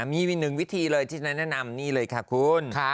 มี๑วิธีที่จะแนะนำนี่เลยค่ะคุณ